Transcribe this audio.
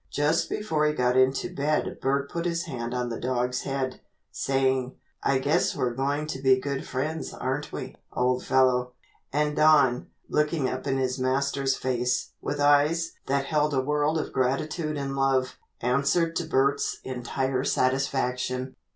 Just before he got into bed Bert put his hand on the dog's head, saying, "I guess we're going to be good friends aren't we, old fellow?" And Don, looking up in his master's face, with eyes that held a world of gratitude and love, answered to Bert's entire satisfaction.